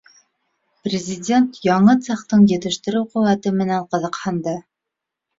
Президент яңы цехтың етештереү ҡеүәте менән ҡыҙыҡһынды.